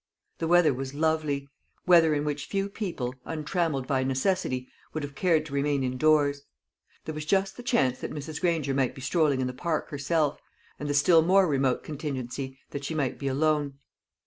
The weather was lovely weather in which few people, untrammelled by necessity, would have cared to remain indoors. There was just the chance that Mrs. Granger might be strolling in the park herself, and the still more remote contingency that she might be alone.